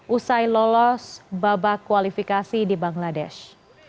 usai lolos babak kualifikasi di bangladesh